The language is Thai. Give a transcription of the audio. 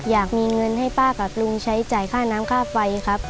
อยากมีเงินให้ป้ากับลุงใช้จ่ายค่าน้ำค่าไฟครับ